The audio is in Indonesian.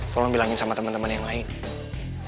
tolong bilangin sama temen temen yang lain